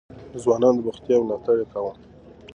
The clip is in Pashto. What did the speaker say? د ځوانانو د بوختيا ملاتړ يې کاوه.